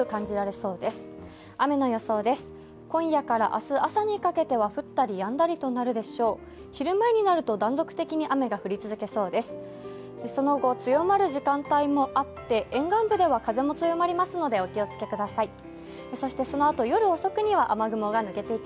その後、強まる時間帯もあって沿岸部では風も強まりますのでお気をつけください。